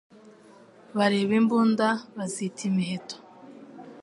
Bareba imbunda bazita imiheto